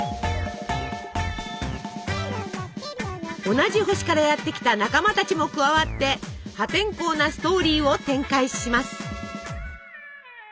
同じ星からやって来た仲間たちも加わって破天荒なストーリーを展開します。